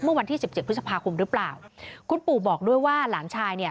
เมื่อวันที่สิบเจ็ดพฤษภาคมหรือเปล่าคุณปู่บอกด้วยว่าหลานชายเนี่ย